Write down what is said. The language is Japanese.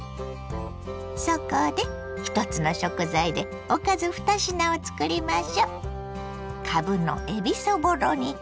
そこで１つの食材でおかず２品をつくりましょ。